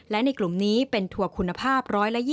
และในกลุ่มนี้เป็นทัวร์คุณภาพ๑๒๐